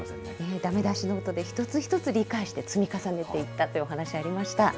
だめ出しのもとで一つ一つ理解して、積み重ねていったというお話ありました。